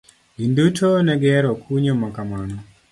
Gin duto negi hero kunyo makamano.